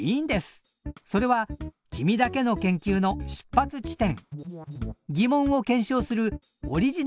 それは君だけの研究の出発地点。